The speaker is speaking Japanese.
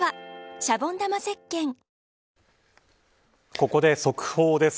ここで速報です。